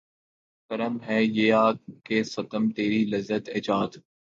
کرم ہے یا کہ ستم تیری لذت ایجاد